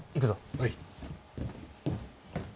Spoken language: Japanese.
はい。